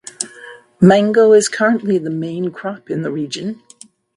Mango is currently the main crop in the region.